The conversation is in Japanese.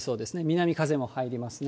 南風も入りますね。